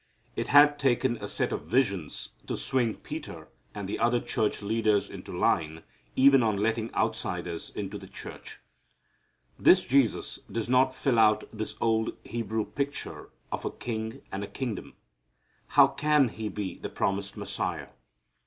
It had taken a set of visions to swing Peter and the other church leaders into line even on letting outsiders into the church. This Jesus does not fill out this old Hebrew picture of a king and a kingdom. How can He be the promised Messiah?